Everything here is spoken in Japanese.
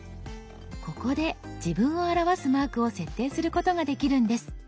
ここで自分を表すマークを設定することができるんです。